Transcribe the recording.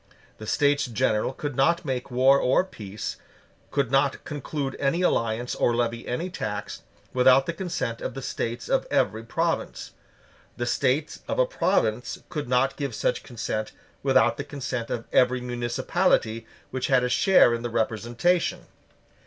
The States General could not make war or peace, could not conclude any alliance or levy any tax, without the consent of the States of every province. The States of a province could not give such consent without the consent of every municipality which had a share in the representation.